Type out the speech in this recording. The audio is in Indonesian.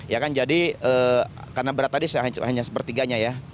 ya kan jadi karena berat tadi hanya sepertiganya ya